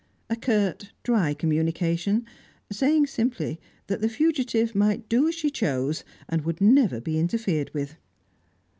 A curt, dry communication, saying simply that the fugitive might do as she chose, and would never be interfered with.